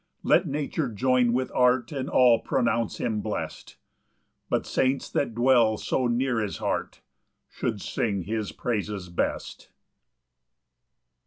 16 Let nature join with art, And all pronounce him blest; But saints that dwell so near his heart, Should sing his praises best.